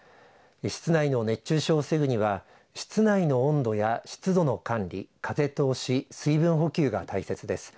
室内の熱中症を防ぐには室内の温度や湿度の管理風通し、水分補給が大切です。